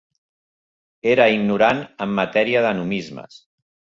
Era ignorant en matèria de numismes